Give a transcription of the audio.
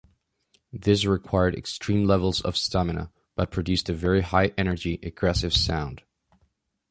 This required extreme levels of stamina, but produced a very high-energy, aggressive sound.